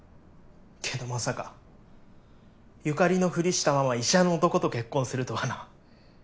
けどまさか由香里のふりしたまま医者の男と結婚するとはな。